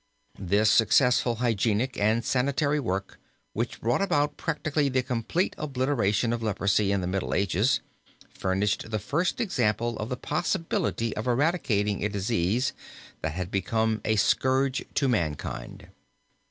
This successful hygienic and sanitary work, which brought about practically the complete obliteration of leprosy in the Middle Ages, furnished the first example of the possibility of eradicating a disease that had become a scourge to mankind.